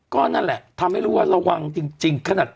ก็นั่นแหละทำให้รู้ว่าระวังจริงขนาด